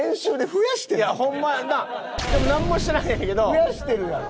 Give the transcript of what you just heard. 増やしてるやろ？